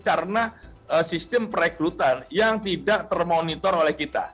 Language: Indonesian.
karena sistem perekrutan yang tidak termonitor oleh kita